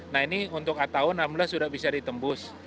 nah ini untuk atau enam belas sudah bisa ditembus